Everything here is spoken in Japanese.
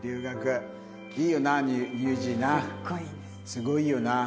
すごいいいよな。